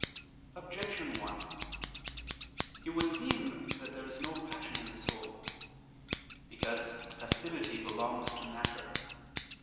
Objection 1: It would seem that there is no passion in the soul. Because passivity belongs to matter.